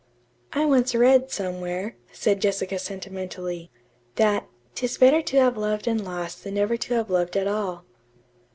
"I once read, somewhere," said Jessica sentimentally, "that ''Tis better to have loved and lost than never to have loved at all.'"